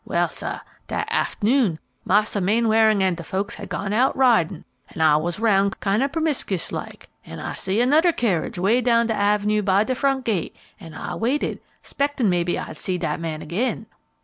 Well, sah, dat aft'noon, mars'r Mainwaring an' de folks had gone out ridin', an' I was roun' kind o' permiscuous like, an' I see anoder kerridge way down de av'nue by de front gate, an' I waited, 'spectin' maybe I'd see dat man again.